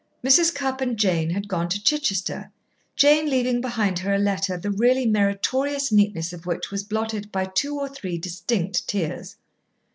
Mrs. Cupp and Jane had gone to Chichester, Jane leaving behind her a letter the really meritorious neatness of which was blotted by two or three distinct tears.